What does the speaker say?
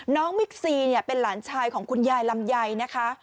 มิกซีเนี่ยเป็นหลานชายของคุณยายลำไยนะคะ